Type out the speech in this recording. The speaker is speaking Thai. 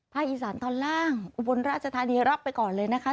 อีสานตอนล่างอุบลราชธานีรับไปก่อนเลยนะคะ